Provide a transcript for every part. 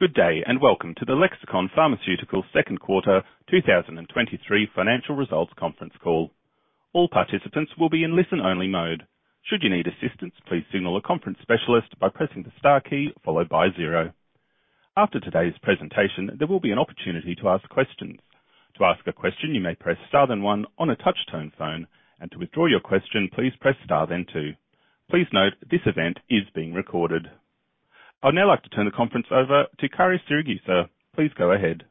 Good day. Welcome to the Lexicon Pharmaceuticals Second Quarter 2023 Financial Results Conference Call. All participants will be in listen-only mode. Should you need assistance, please signal a conference specialist by pressing the Star key followed by 0. After today's presentation, there will be an opportunity to ask questions. To ask a question, you may press Star then 1 on a touch-tone phone, and to withdraw your question, please press Star then 1. Please note, this event is being recorded. I'd now like to turn the conference over to Carrie Siragusa. Please go ahead.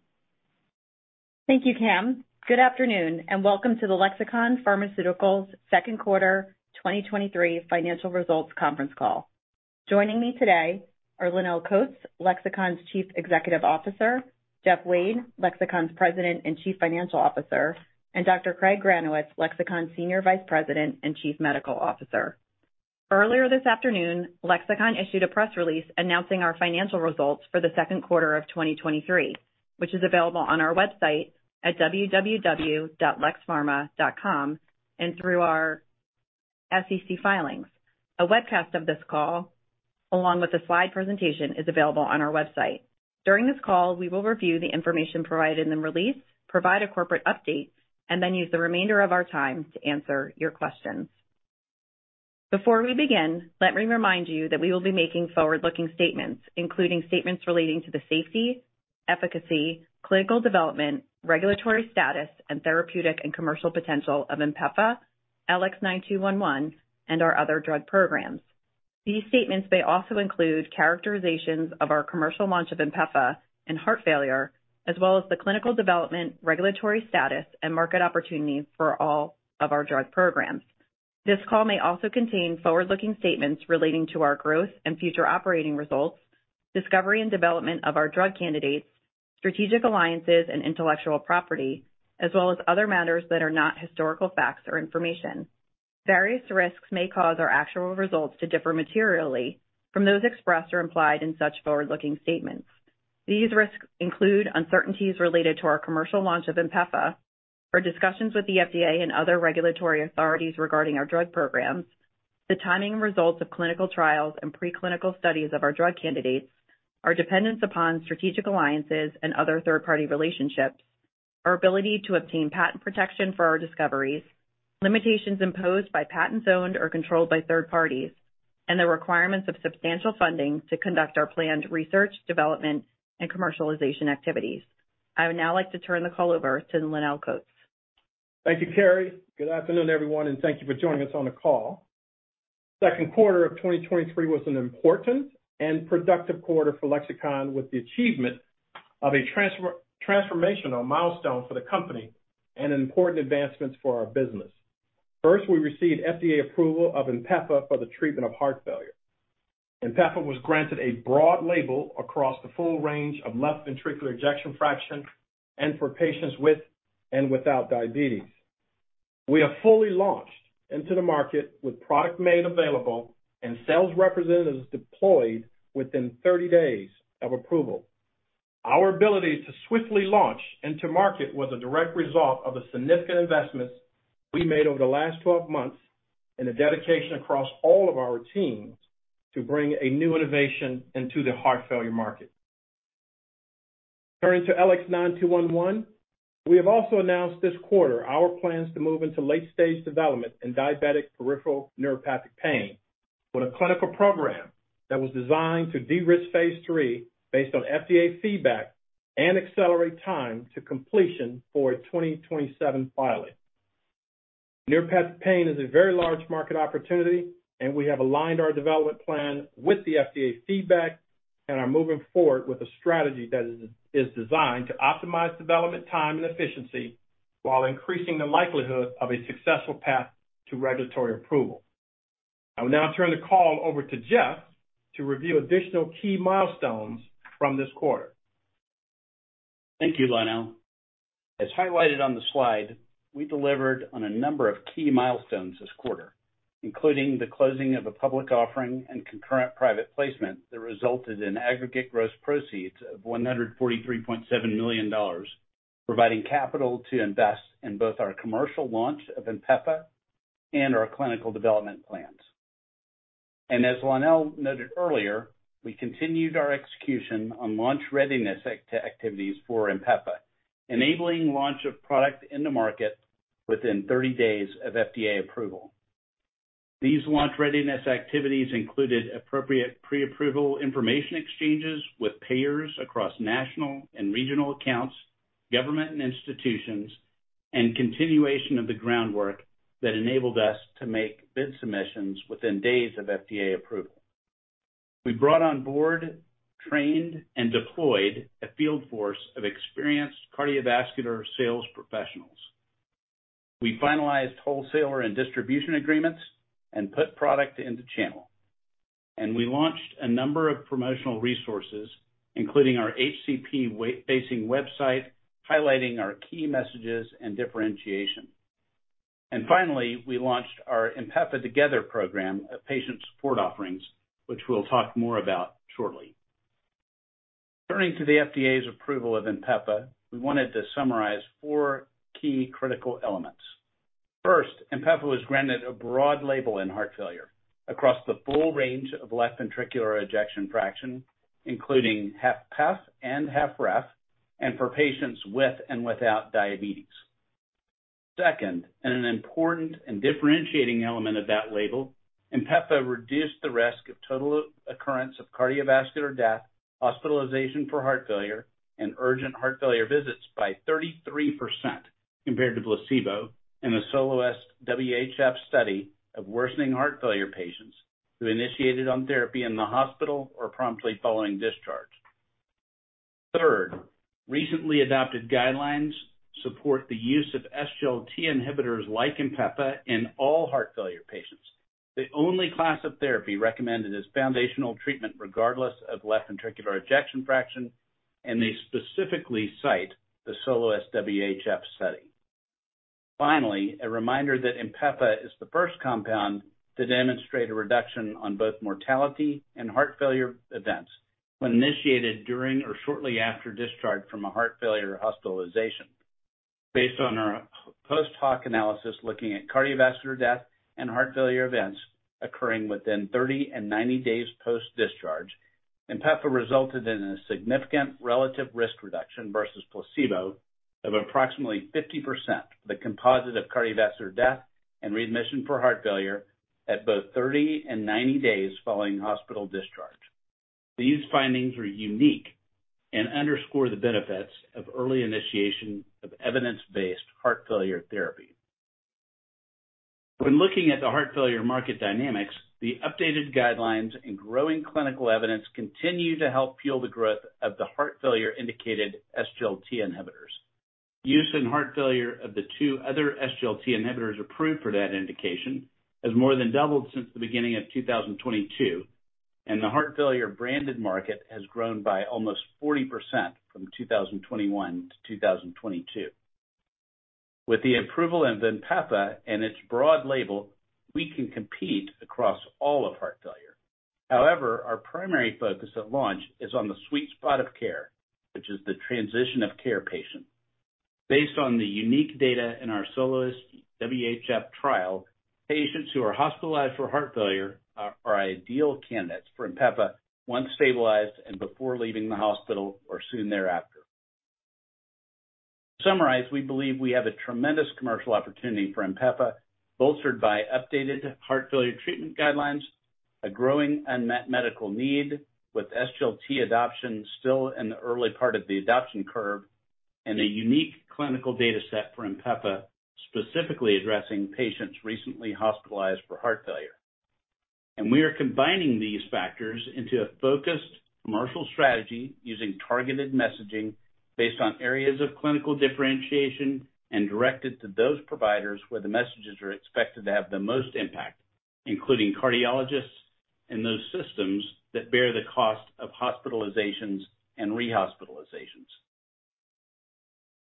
Thank you, Cam. Good afternoon, welcome to the Lexicon Pharmaceuticals Second Quarter 2023 Financial Results conference call. Joining me today are Lonnel Coats, Lexicon's Chief Executive Officer, Jeff Wade, Lexicon's President and Chief Financial Officer, and Dr. Craig Granowitz, Lexicon's Senior Vice President and Chief Medical Officer. Earlier this afternoon, Lexicon issued a press release announcing our financial results for the second quarter of 2023, which is available on our website at www.lexpharma.com and through our SEC filings. A webcast of this call, along with a slide presentation, is available on our website. During this call, we will review the information provided in the release, provide a corporate update, then use the remainder of our time to answer your questions. Before we begin, let me remind you that we will be making forward-looking statements, including statements relating to the safety, efficacy, clinical development, regulatory status, and therapeutic and commercial potential of INPEFA, LX9211, and our other drug programs. These statements may also include characterizations of our commercial launch of INPEFA and heart failure, as well as the clinical development, regulatory status, and market opportunity for all of our drug programs. This call may also contain forward-looking statements relating to our growth and future operating results, discovery and development of our drug candidates, strategic alliances and intellectual property, as well as other matters that are not historical facts or information. Various risks may cause our actual results to differ materially from those expressed or implied in such forward-looking statements. These risks include uncertainties related to our commercial launch of INPEFA, our discussions with the FDA and other regulatory authorities regarding our drug programs, the timing and results of clinical trials and preclinical studies of our drug candidates, our dependence upon strategic alliances and other third-party relationships, our ability to obtain patent protection for our discoveries, limitations imposed by patents owned or controlled by third parties, and the requirements of substantial funding to conduct our planned research, development, and commercialization activities. I would now like to turn the call over to Lonnel Coats. Thank you, Carrie. Good afternoon, everyone. Thank you for joining us on the call. Second quarter of 2023 was an important and productive quarter for Lexicon, with the achievement of a transformational milestone for the company and important advancements for our business. First, we received FDA approval of INPEFA for the treatment of heart failure. INPEFA was granted a broad label across the full range of left ventricular ejection fraction and for patients with and without diabetes. We have fully launched into the market with product made available and sales representatives deployed within 30 days of approval. Our ability to swiftly launch into market was a direct result of the significant investments we made over the last 12 months and the dedication across all of our teams to bring a new innovation into the heart failure market. Turning to LX9211, we have also announced this quarter our plans to move into late-stage development in diabetic peripheral neuropathic pain, with a clinical program that was designed to de-risk phase III based on FDA feedback and accelerate time to completion for a 2027 filing. Neuropathic pain is a very large market opportunity, we have aligned our development plan with the FDA's feedback and are moving forward with a strategy that is designed to optimize development time and efficiency while increasing the likelihood of a successful path to regulatory approval. I will now turn the call over to Jeff to review additional key milestones from this quarter. Thank you, Lonnel. As highlighted on the slide, we delivered on a number of key milestones this quarter, including the closing of a public offering and concurrent private placement that resulted in aggregate gross proceeds of $143.7 million, providing capital to invest in both our commercial launch of INPEFA and our clinical development plans. As Lonnel noted earlier, we continued our execution on launch readiness activities for INPEFA, enabling launch of product into market within 30 days of FDA approval. These launch readiness activities included appropriate pre-approval information exchanges with payers across national and regional accounts, government and institutions, and continuation of the groundwork that enabled us to make bid submissions within days of FDA approval. We brought on board, trained, and deployed a field force of experienced cardiovascular sales professionals. We finalized wholesaler and distribution agreements and put product into channel. We launched a number of promotional resources, including our HCP-weight- facing website, highlighting our key messages and differentiation. Finally, we launched our INPEFA Together program of patient support offerings, which we'll talk more about shortly. Turning to the FDA's approval of INPEFA, we wanted to summarize 4 key critical elements. First, INPEFA was granted a broad label in heart failure across the full range of left ventricular ejection fraction, including HFpEF and HFrEF, and for patients with and without diabetes. Second, an important and differentiating element of that label, INPEFA reduced the risk of total occurrence of cardiovascular death, hospitalization for heart failure, and urgent heart failure visits by 33% compared to placebo in the SOLOIST-WHF study of worsening heart failure patients who initiated on therapy in the hospital or promptly following discharge. Third, recently adopted guidelines support the use of SGLT inhibitors like INPEFA in all heart failure patients. The only class of therapy recommended is foundational treatment, regardless of left ventricular ejection fraction, and they specifically cite the SOLOIST-WHF study. Finally, a reminder that INPEFA is the first compound to demonstrate a reduction on both mortality and heart failure events when initiated during or shortly after discharge from a heart failure hospitalization. Based on our post hoc analysis, looking at cardiovascular death and heart failure events occurring within 30 and 90 days post-discharge, INPEFA resulted in a significant relative risk reduction versus placebo of approximately 50%, the composite of cardiovascular death and readmission for heart failure at both 30 and 90 days following hospital discharge. These findings are unique and underscore the benefits of early initiation of evidence-based heart failure therapy. When looking at the heart failure market dynamics, the updated guidelines and growing clinical evidence continue to help fuel the growth of the heart failure-indicated SGLT inhibitors. Use in heart failure of the 2 other SGLT inhibitors approved for that indication has more than doubled since the beginning of 2022. The heart failure branded market has grown by almost 40% from 2021 to 2022. With the approval of INPEFA and its broad label, we can compete across all of heart failure. However, our primary focus at launch is on the sweet spot of care, which is the transition-of-care patient. Based on the unique data in our SOLOIST-WHF trial, patients who are hospitalized for heart failure are ideal candidates for INPEFA once stabilized and before leaving the hospital or soon thereafter. To summarize, we believe we have a tremendous commercial opportunity for INPEFA, bolstered by updated heart failure treatment guidelines, a growing unmet medical need, with SGLT adoption still in the early part of the adoption curve, and a unique clinical data set for INPEFA, specifically addressing patients recently hospitalized for heart failure. And we are combining these factors into a focused commercial strategy using targeted messaging based on areas of clinical differentiation and directed to those providers where the messages are expected to have the most impact, including cardiologists and those systems that bear the cost of hospitalizations and rehospitalizations.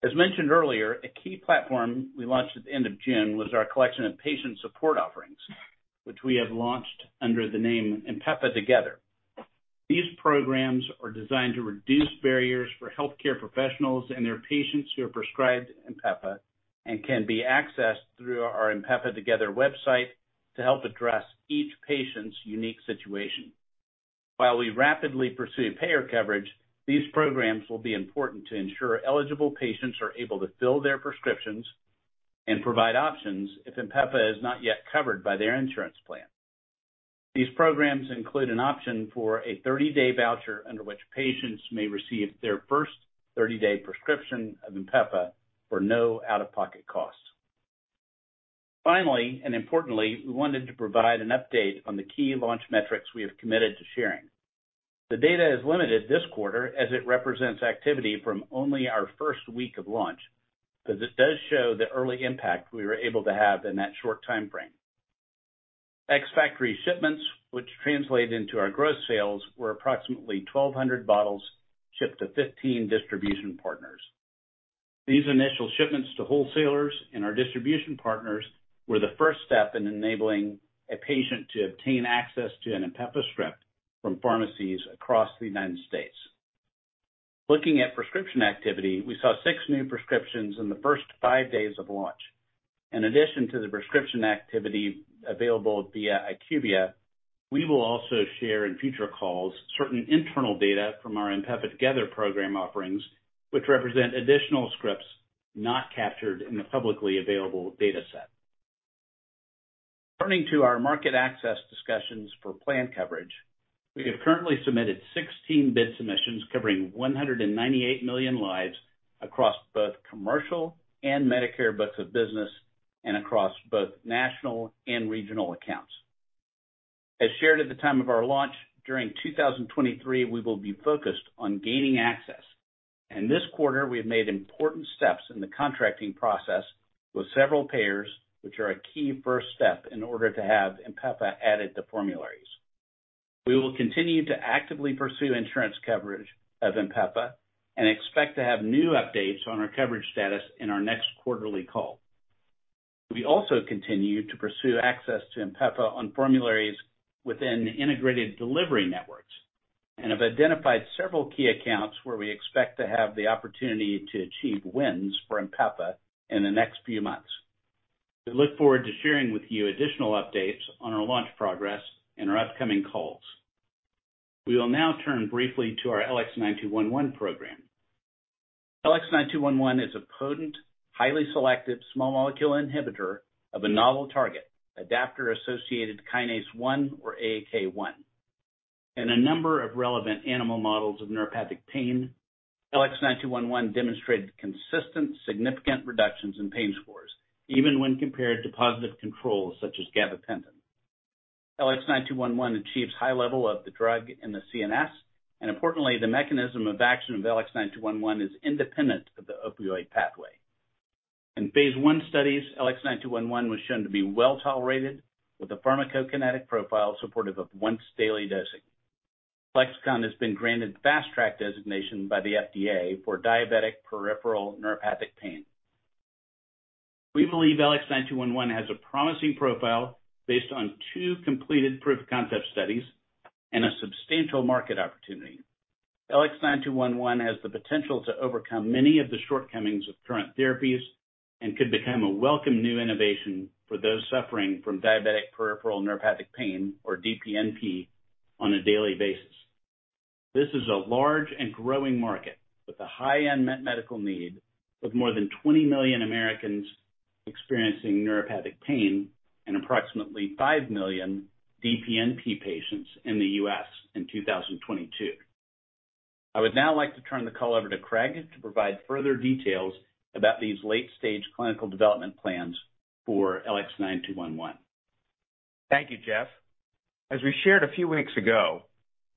As mentioned earlier, a key platform we launched at the end of June was our collection of patient support offerings, which we have launched under the name INPEFA Together. These programs are designed to reduce barriers for healthcare professionals and their patients who are prescribed INPEFA and can be accessed through our INPEFA Together website to help address each patient's unique situation. While we rapidly pursue payer coverage, these programs will be important to ensure eligible patients are able to fill their prescriptions and provide options if INPEFA is not yet covered by their insurance plan. These programs include an option for a 30-day voucher, under which patients may receive their first 30-day prescription of INPEFA for no out-of-pocket costs. Finally, and importantly, we wanted to provide an update on the key launch metrics we have committed to sharing. The data is limited this quarter as it represents activity from only our first week of launch, but this does show the early impact we were able to have in that short time frame. Ex-factory shipments, which translate into our gross sales, were approximately 1,200 bottles shipped to 15 distribution partners. These initial shipments to wholesalers and our distribution partners were the first step in enabling a patient to obtain access to an INPEFA script from pharmacies across the United States. Looking at prescription activity, we saw 6 new prescriptions in the first 5 days of launch. In addition to the prescription activity available via IQVIA, we will also share in future calls certain internal data from our INPEFA Together program offerings, which represent additional scripts not captured in the publicly available data set. Turning to our market access discussions for plan coverage, we have currently submitted 16 bid submissions covering 198 million lives across both commercial and Medicare books of business and across both national and regional accounts. As shared at the time of our launch, during 2023, we will be focused on gaining access, this quarter we have made important steps in the contracting process with several payers, which are a key first step in order to have INPEFA added to formularies. We will continue to actively pursue insurance coverage of INPEFA and expect to have new updates on our coverage status in our next quarterly call. We also continue to pursue access to INPEFA on formularies within integrated delivery networks. We have identified several key accounts where we expect to have the opportunity to achieve wins for INPEFA in the next few months. We look forward to sharing with you additional updates on our launch progress in our upcoming calls. We will now turn briefly to our LX9211 program. LX9211 is a potent, highly selective small molecule inhibitor of a novel target, adaptor-associated kinase 1, or AAK1. In a number of relevant animal models of neuropathic pain, LX9211 demonstrated consistent, significant reductions in pain scores, even when compared to positive controls such as gabapentin. LX9211 achieves high level of the drug in the CNS, and importantly, the mechanism of action of LX9211 is independent of the opioid pathway. In phase I studies, LX9211 was shown to be well-tolerated, with a pharmacokinetic profile supportive of once-daily dosing. Lexicon has been granted Fast Track designation by the FDA for diabetic peripheral neuropathic pain. We believe LX9211 has a promising profile based on 2 completed proof-of-concept studies and a substantial market opportunity. LX9211 has the potential to overcome many of the shortcomings of current therapies and could become a welcome new innovation for those suffering from diabetic peripheral neuropathic pain, or DPNP, on a daily basis. This is a large and growing market with a high unmet medical need, with more than 20 million Americans experiencing neuropathic pain and approximately 5 million DPNP patients in the U.S. in 2022. I would now like to turn the call over to Craig to provide further details about these late-stage clinical development plans for LX9211. Thank you, Jeff. As we shared a few weeks ago,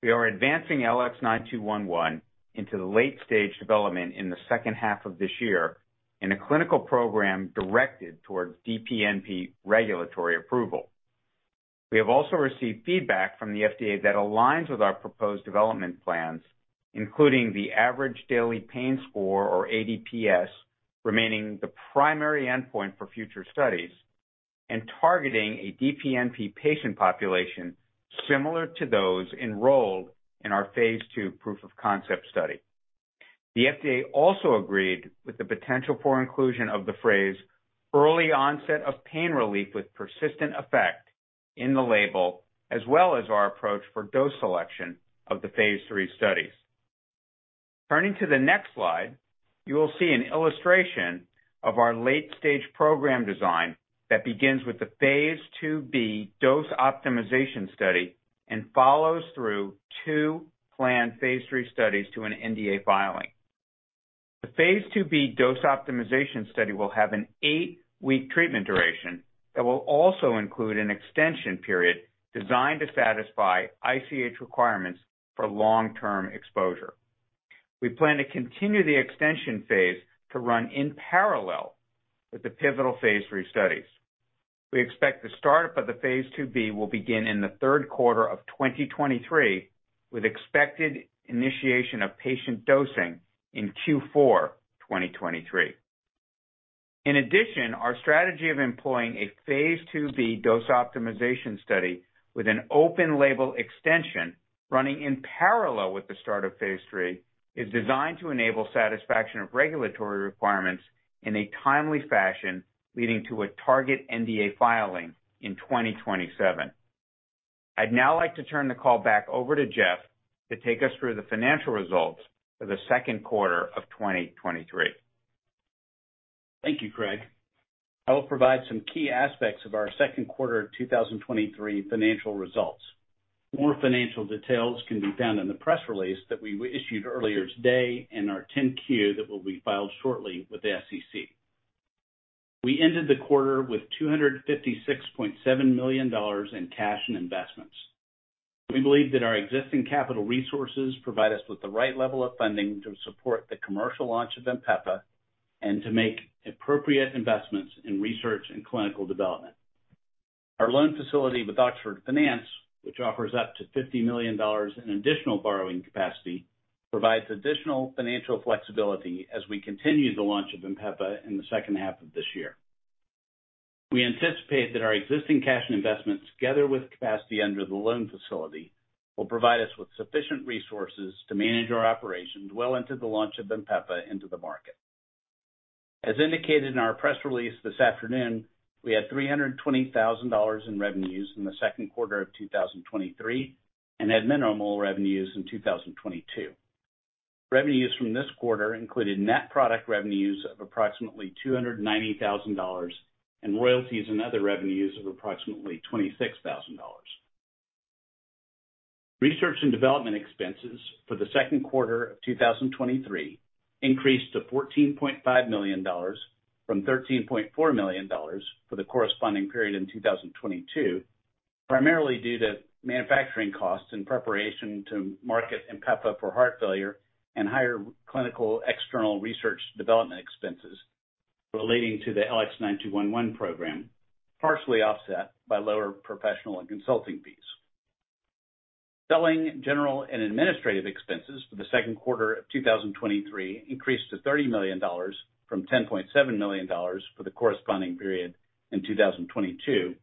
we are advancing LX9211 into the late-stage development in the second half of this year, in a clinical program directed towards DPNP regulatory approval. We have also received feedback from the FDA that aligns with our proposed development plans, including the average daily pain score, or ADPS, remaining the primary endpoint for future studies, and targeting a DPNP patient population similar to those enrolled in our phase II proof-of-concept study. The FDA also agreed with the potential for inclusion of the phrase "early onset of pain relief with persistent effect" in the label, as well as our approach for dose selection of the phase III studies. Turning to the next slide, you will see an illustration of our late-stage program design that begins with the phase 2b dose optimization study and follows through two planned phase III studies to an NDA filing. The phase IIb dose optimization study will have an 8-week treatment duration that will also include an extension period designed to satisfy ICH requirements for long-term exposure. We plan to continue the extension phase to run in parallel with the pivotal phase 3 studies. We expect the start-up of the phase 2b will begin in the third quarter of 2023, with expected initiation of patient dosing in Q4 2023. Our strategy of employing a phase 2b dose optimization study with an open label extension running in parallel with the start of phase 3, is designed to enable satisfaction of regulatory requirements in a timely fashion, leading to a target NDA filing in 2027. I'd now like to turn the call back over to Jeff to take us through the financial results for the second quarter of 2023. Thank you, Craig. I will provide some key aspects of our second quarter of 2023 financial results. More financial details can be found in the press release that we issued earlier today, and our 10-Q that will be filed shortly with the SEC. We ended the quarter with $256.7 million in cash and investments. We believe that our existing capital resources provide us with the right level of funding to support the commercial launch of INPEFA, and to make appropriate investments in research and clinical development. Our loan facility with Oxford Finance, which offers up to $50 million in additional borrowing capacity, provides additional financial flexibility as we continue the launch of INPEFA in the second half of this year. We anticipate that our existing cash and investments, together with capacity under the loan facility, will provide us with sufficient resources to manage our operations well into the launch of INPEFA into the market. As indicated in our press release this afternoon, we had $320,000 in revenues in the second quarter of 2023, and had minimal revenues in 2022. Revenues from this quarter included net product revenues of approximately $290,000, and royalties and other revenues of approximately $26,000. Research and development expenses for the second quarter of 2023 increased to $14.5 million from $13.4 million for the corresponding period in 2022, primarily due to manufacturing costs in preparation to market INPEFA for heart failure and higher clinical external research development expenses relating to the LX9211 program, partially offset by lower professional and consulting fees. Selling general and administrative expenses for the second quarter of 2023 increased to $30 million from $10.7 million for the corresponding period in 2022,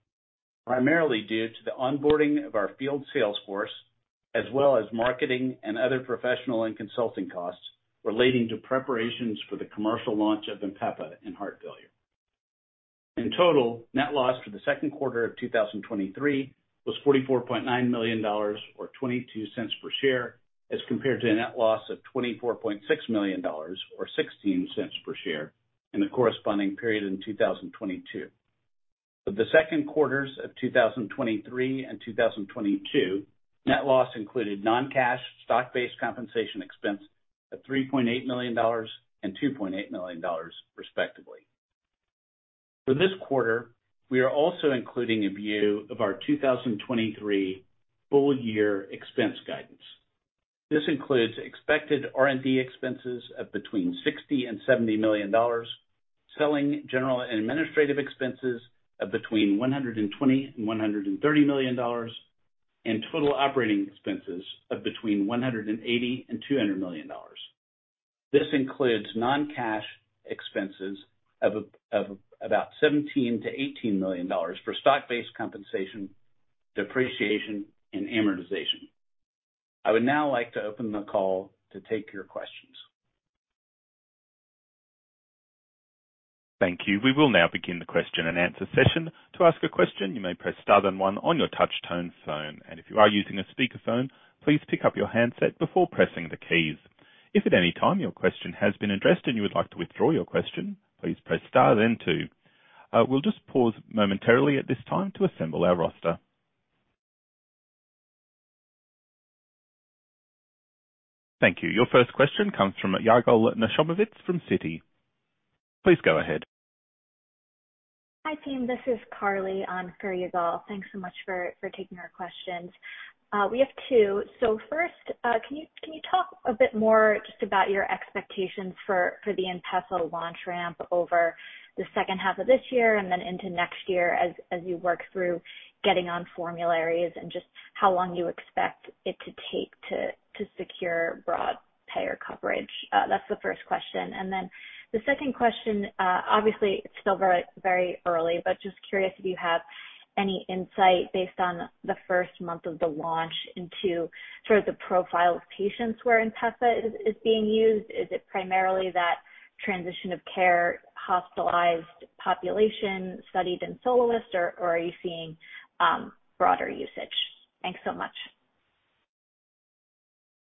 primarily due to the onboarding of our field sales force, as well as marketing and other professional and consulting costs relating to preparations for the commercial launch of INPEFA in heart failure. In total, net loss for the second quarter of 2023 was $44.9 million, or $0.22 per share, as compared to a net loss of $24.6 million, or $0.16 per share, in the corresponding period in 2022. For the second quarters of 2023 and 2022, net loss included non-cash stock-based compensation expense of $3.8 million and $2.8 million, respectively. For this quarter, we are also including a view of our 2023 full year expense guidance. This includes expected R&D expenses of between $60 million and $70 million, selling general and administrative expenses of between $120 million and $130 million, and total operating expenses of between $180 million and $200 million. This includes non-cash expenses of about $17 million-$18 million for stock-based compensation, depreciation, and amortization. I would now like to open the call to take your questions. Thank you. We will now begin the question and answer session. To ask a question, you may press star then one on your touchtone phone. If you are using a speakerphone, please pick up your handset before pressing the keys. If at any time your question has been addressed and you would like to withdraw your question, please press star then two. We'll just pause momentarily at this time to assemble our roster. Thank you. Your first question comes from Yigal Nachomovitz from Citi. Please go ahead. Hi, team. This is Carly on for Yigal. Thanks so much for, for taking our questions. We have 2. First, can you, can you talk a bit more just about your expectations for, for the INPEFA launch ramp over the second half of this year and then into next year as, as you work through getting on formularies, and just how long you expect it to take to, to secure broad payer coverage? That's the first question. The second question, obviously, it's still very, very early, but just curious if you have any insight based on the first month of the launch into sort of the profile of patients where INPEFA is, is being used. Is it primarily that transition of care, hospitalized population studied in SOLOIST-WHF, or, or are you seeing broader usage? Thanks so much.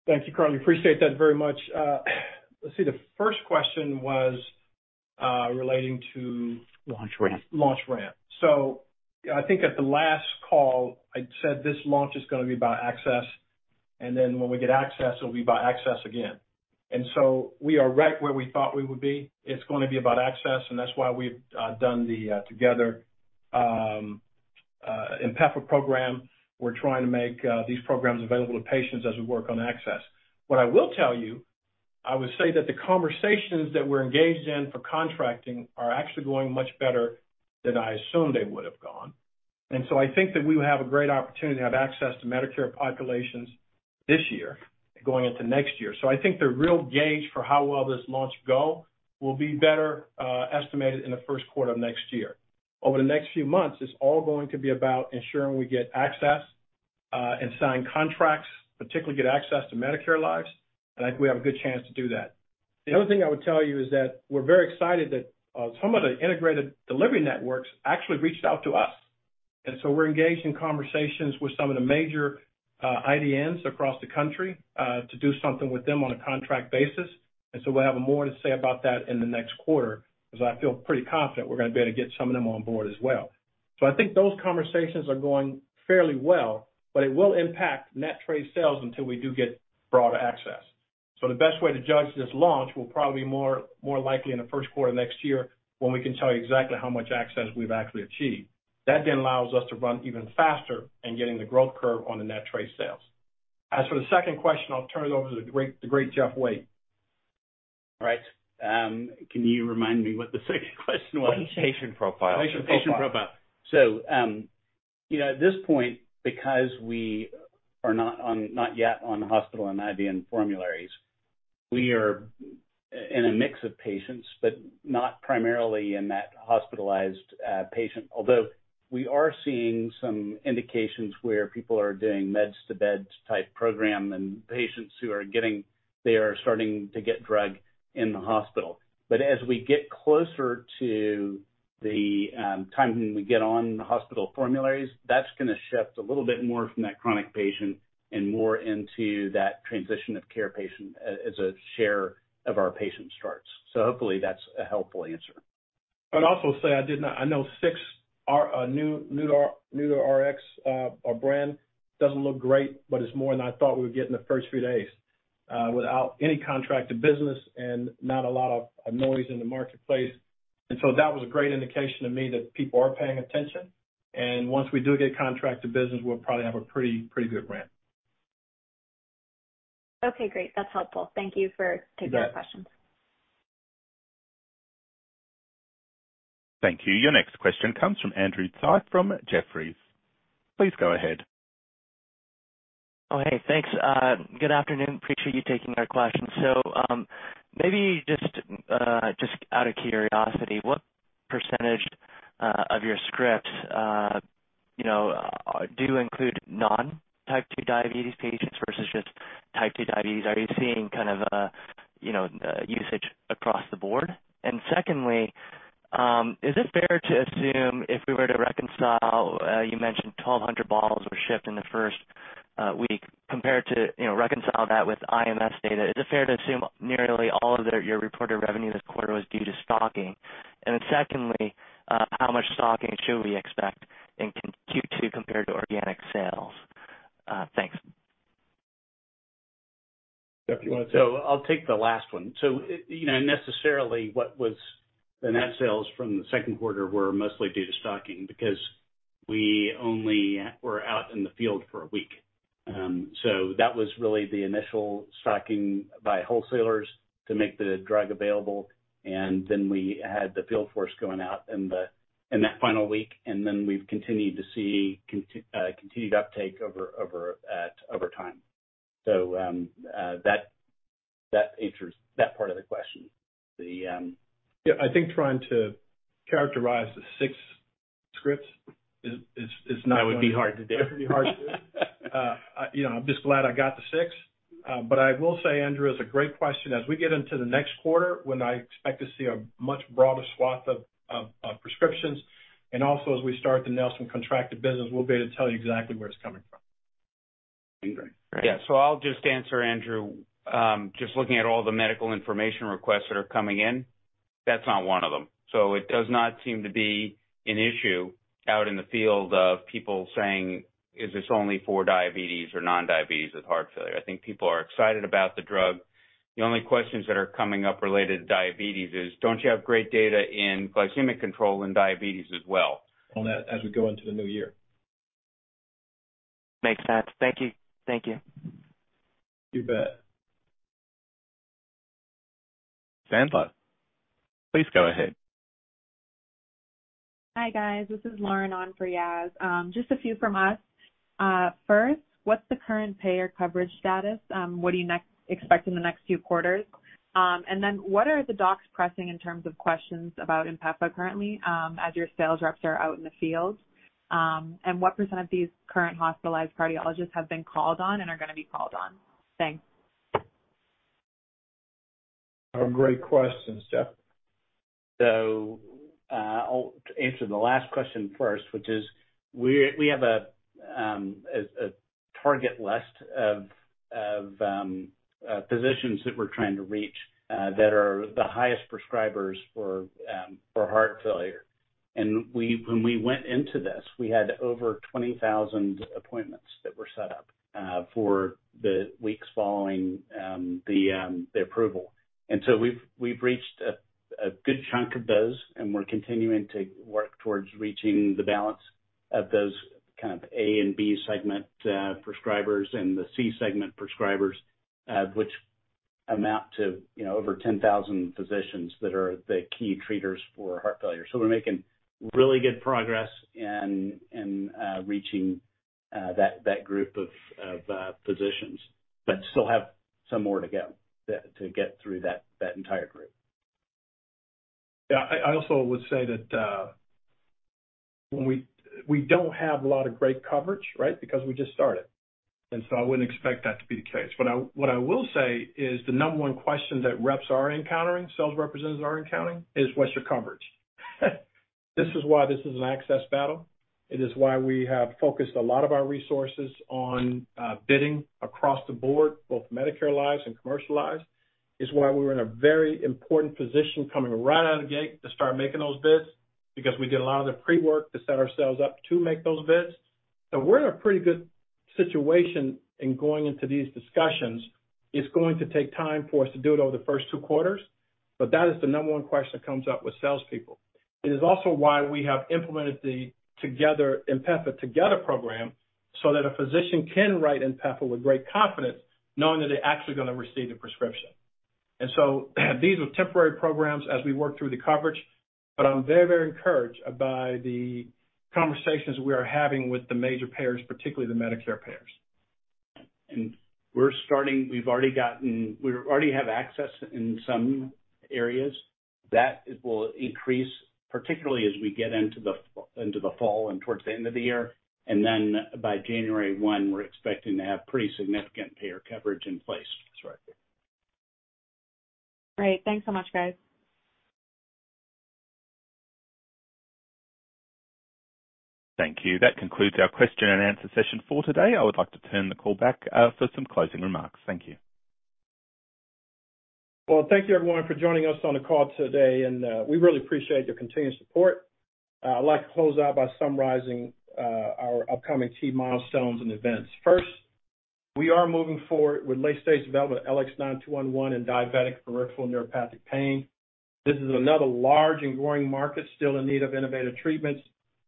Thank you, Carly. Appreciate that very much. Let's see. The first question was relating to- Launch ramp. Launch ramp. I think at the last call, I said this launch is going to be about access, and then when we get access, it'll be about access again. We are right where we thought we would be. It's going to be about access, and that's why we've done the Together INPEFA program. We're trying to make these programs available to patients as we work on access. What I will tell you, I would say that the conversations that we're engaged in for contracting are actually going much better than I assumed they would have gone. I think that we will have a great opportunity to have access to Medicare populations this year going into next year. I think the real gauge for how well this launch go will be better estimated in the first quarter of next year. Over the next few months, it's all going to be about ensuring we get access, and sign contracts, particularly get access to Medicare lives, and I think we have a good chance to do that. The other thing I would tell you is that we're very excited that some of the integrated delivery networks actually reached out to us, and so we're engaged in conversations with some of the major IDNs across the country to do something with them on a contract basis. So we'll have more to say about that in the next quarter, as I feel pretty confident we're gonna be able to get some of them on board as well. I think those conversations are going fairly well, but it will impact net trade sales until we do get broader access. The best way to judge this launch will probably be more, more likely in the first quarter of next year, when we can tell you exactly how much access we've actually achieved. That then allows us to run even faster in getting the growth curve on the net trade sales. As for the second question, I'll turn it over to the great, the great Jeff Wade. All right. Can you remind me what the second question was? Patient profile. Patient profile. You know, at this point, because we are not on, not yet on hospital and IDN formularies, we are in a mix of patients, but not primarily in that hospitalized patient. Although, we are seeing some indications where people are doing meds to beds type program, and patients who are getting, they are starting to get drug in the hospital. As we get closer to the time when we get on the hospital formularies, that's gonna shift a little bit more from that chronic patient and more into that transition of care patient as a share of our patient starts. Hopefully that's a helpful answer. I'd also say I did not I know 6 our new, new to, new to Rx our brand, doesn't look great, but it's more than I thought we would get in the first few days without any contracted business and not a lot of noise in the marketplace. That was a great indication to me that people are paying attention, and once we do get contracted business, we'll probably have a pretty, pretty good ramp. Okay, great. That's helpful. Thank you for taking the questions. You bet. Thank you. Your next question comes from Andrew Tsai, from Jefferies. Please go ahead. Oh, hey, thanks. Good afternoon. Appreciate you taking our questions. Maybe just, just out of curiosity, what % of your scripts do include non-type 2 diabetes patients versus just type 2 diabetes? Secondly, is it fair to assume if we were to reconcile, you mentioned 1,200 bottles were shipped in the 1st week compared to reconcile that with IMS data, is it fair to assume nearly all of your reported revenue this quarter was due to stocking? Secondly, how much stocking should we expect in Q2 compared to organic sales? Thanks. Jeff, you want. I'll take the last one. necessarily, what was the net sales from the second quarter were mostly due to stocking, because we only were out in the field for a week. That was really the initial stocking by wholesalers to make the drug available. Then we had the field force going out in the, in that final week, and then we've continued to see continued uptake over, over, over time. That, that answers that part of the question. I think trying to characterize the 6 scripts is not- That would be hard to do. That would be hard to do. I'm just glad I got the six. I will say, Andrew, it's a great question. As we get into the next quarter, when I expect to see a much broader swath of prescriptions, and also as we start the contracted business, we'll be able to tell you exactly where it's coming from. Yeah. I'll just answer, Andrew. Just looking at all the medical information requests that are coming in, that's not one of them. It does not seem to be an issue out in the field of people saying, "Is this only for diabetes or non-diabetes with heart failure?" I think people are excited about the drug. The only questions that are coming up related to diabetes is, don't you have great data in glycemic control in diabetes as well? On that as we go into the new year. Makes sense. Thank you. Thank you. You bet. Sandra, please go ahead. Hi, guys, this is Lauren on for Yas. Just a few from us. First, what's the current payer coverage status? What do you expect in the next few quarters? What are the docs pressing in terms of questions about INPEFA currently, as your sales reps are out in the field? What % of these current hospitalized cardiologists have been called on and are going to be called on? Thanks. Great questions, Jeff. I'll answer the last question first, which is: we, we have a target list of physicians that we're trying to reach, that are the highest prescribers for heart failure. And when we went into this, we had over 20,000 appointments that were set up for the weeks following the approval. And we've, we've reached a good chunk of those, and we're continuing to work towards reaching the balance of those kind of A and B segment prescribers and the C segment prescribers, which amount to, you know, over 10,000 physicians that are the key treaters for heart failure. We're making really good progress in, in reaching that, that group of, of physicians, but still have some more to go to, to get through that, that entire group. Yeah. I, I also would say that we don't have a lot of great coverage, right? Because we just started, I wouldn't expect that to be the case. What I will say is the number one question that reps are encountering, sales representatives are encountering, is what's your coverage? This is why this is an access battle. It is why we have focused a lot of our resources on bidding across the board, both Medicare lives and commercial lives. It's why we're in a very important position coming right out of the gate to start making those bids, because we did a lot of the pre-work to set ourselves up to make those bids. We're in a pretty good situation in going into these discussions. It's going to take time for us to do it over the first 2 quarters, but that is the number one question that comes up with salespeople. It is also why we have implemented the INPEFA Together program, so that a physician can write INPEFA with great confidence, knowing that they're actually going to receive the prescription. So these are temporary programs as we work through the coverage, but I'm very, very encouraged by the conversations we are having with the major payers, particularly the Medicare payers. We're starting. We've already we already have access in some areas. That will increase, particularly as we get into the fall and towards the end of the year. Then by January 1, we're expecting to have pretty significant payer coverage in place. That's right. Great. Thanks so much, guys. Thank you. That concludes our question and answer session for today. I would like to turn the call back for some closing remarks. Thank you. Well, thank you, everyone, for joining us on the call today. We really appreciate your continued support. I'd like to close out by summarizing our upcoming key milestones and events. First, we are moving forward with late-stage development LX9211 in diabetic peripheral neuropathic pain. This is another large and growing market still in need of innovative treatments.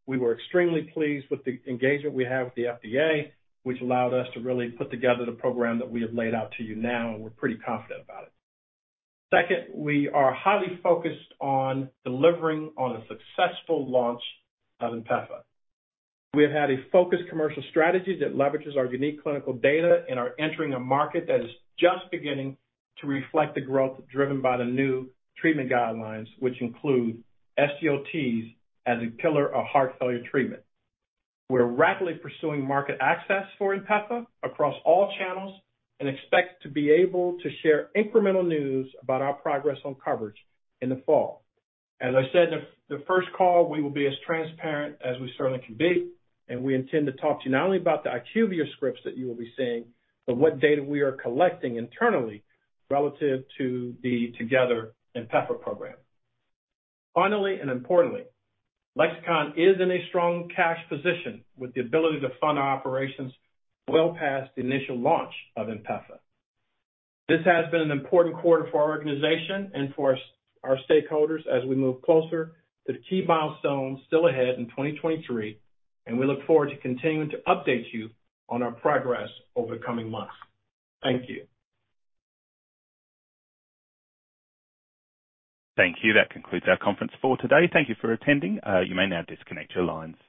We were extremely pleased with the engagement we have with the FDA, which allowed us to really put together the program that we have laid out to you now. We're pretty confident about it. Second, we are highly focused on delivering on a successful launch of INPEFA. We have had a focused commercial strategy that leverages our unique clinical data and are entering a market that is just beginning to reflect the growth driven by the new treatment guidelines, which include SGLTs as a pillar of heart failure treatment. We're rapidly pursuing market access for INPEFA across all channels and expect to be able to share incremental news about our progress on coverage in the fall. As I said in the first call, we will be as transparent as we certainly can be, and we intend to talk to you not only about the IQVIA scripts that you will be seeing, but what data we are collecting internally relative to the Together INPEFA program. Finally, and importantly, Lexicon is in a strong cash position with the ability to fund our operations well past the initial launch of INPEFA. This has been an important quarter for our organization and for our stakeholders as we move closer to the key milestones still ahead in 2023, and we look forward to continuing to update you on our progress over the coming months. Thank you. Thank you. That concludes our conference for today. Thank you for attending. You may now disconnect your lines.